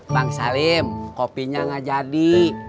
bang salim kopinya gak jadi